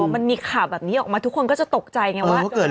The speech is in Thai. มันมีข่าวแบบนี้ออกมาทุกคนก็จะตกใจไงว่า